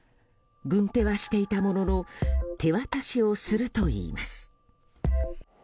軍手はしていたものの手渡しをするといいます。